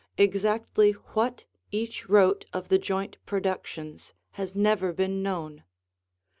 Exactly what each wrote of the joint productions has never been known.